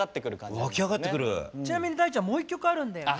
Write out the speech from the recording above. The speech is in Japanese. ちなみに大ちゃんもう一曲、あるんだよね。